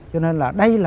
cho nên là đây là